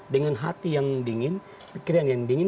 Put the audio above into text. dengan hati yang dingin pikiran yang dingin